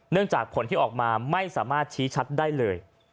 จากผลที่ออกมาไม่สามารถชี้ชัดได้เลย